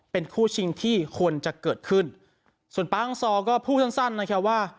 เป็นคู่ชิงที่ควรจะเกิดขึ้นส่วนปางซอก็พูดสั้นสั้นนะครับว่า